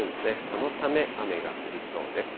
このため雨が降りそうです。